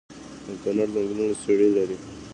د کونړ ځنګلونه څیړۍ لري؟